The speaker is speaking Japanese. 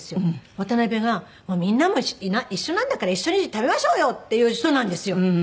渡辺が「もうみんなも一緒なんだから一緒に食べましょうよ！」っていう人なんですよ。